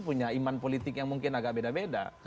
punya iman politik yang mungkin agak beda beda